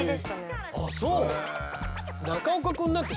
あっそう。ね？